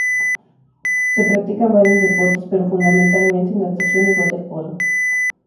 Se practican varios deportes, pero fundamentalmente natación y waterpolo.